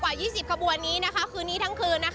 ๒๐ขบวนนี้คืนนี้ทั้งคืน